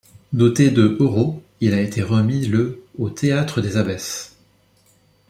Doté de euros, il a été remis le au Théâtre des Abbesses.